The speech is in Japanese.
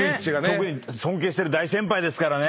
特に尊敬してる大先輩ですからね。